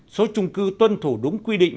số trung cư tuân thủ đúng quy định